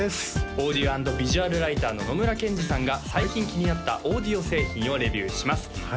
オーディオ＆ビジュアルライターの野村ケンジさんが最近気になったオーディオ製品をレビューします